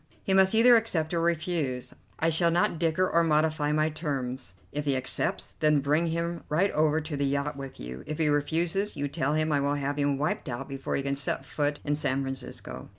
He must either accept or refuse. I shall not dicker or modify my terms. If he accepts, then bring him right over to the yacht with you; if he refuses, you tell him I will have him wiped out before he can set foot in San Francisco."